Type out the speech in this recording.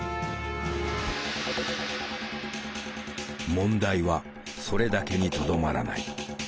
問題はそれだけにとどまらない。